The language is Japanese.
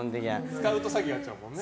使うと詐欺に遭っちゃうもんね。